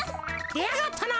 でやがったな！